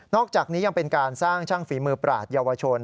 อกจากนี้ยังเป็นการสร้างช่างฝีมือปราศเยาวชน